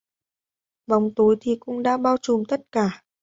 Bóng tối thì cũng đã bao trùm tất cả